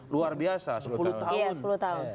luar biasa sepuluh tahun